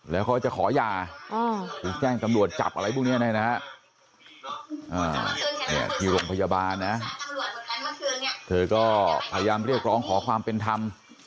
แล้วเขาจะขอหย่าคือแจ้งตำรวจจับอะไรพวกนี้นะฮะที่โรงพยาบาลนะเธอก็พยายามเรียกร้องขอความเป็นธรรม